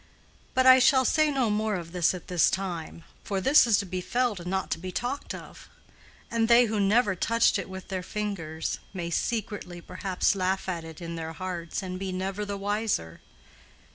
"But I shall say no more of this at this time; for this is to be felt and not to be talked of; and they who never touched it with their fingers may secretly perhaps laugh at it in their hearts and be never the wiser."